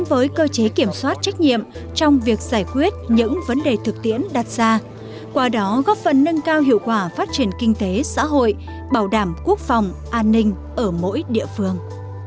với cơ chế kiểm soát trách nhiệm trong việc giải quyết những vấn đề thực tiễn đặt ra qua đó góp phần nâng cao hiệu quả phát triển kinh tế xã hội bảo đảm quốc phòng an ninh ở mỗi địa phương